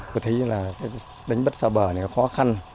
tôi thấy là đánh bắt xa bờ này khó khăn